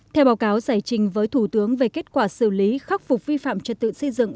theo báo cáo giải trình với thủ tướng về kết quả xử lý khắc phục vi phạm trật tự xây dựng